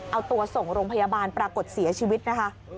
เอาตัวส่งโรงพยาบาลปรากฏเสียชีวิตนะคะ